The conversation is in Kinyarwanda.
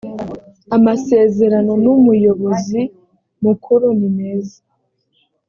amasezerano n umuyobozi mukuru nimeza